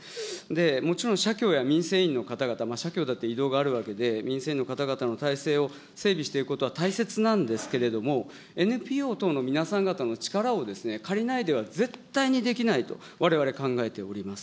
もちろん社協や民生委員の方々、社協だって異動があるわけで、民生委員の方々の体制を整備していくことは大切なんですけれども、ＮＰＯ等の皆さん方の力を借りないでは、絶対にできないと、われわれ考えております。